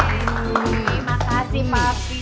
terima kasih papi